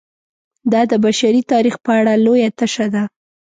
دا د بشري تاریخ په اړه لویه تشه ده.